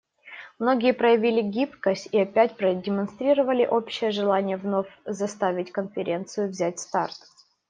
Многие проявили гибкость и опять продемонстрировали общее желание вновь заставить Конференцию взять старт.